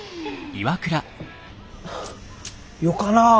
よかなぁ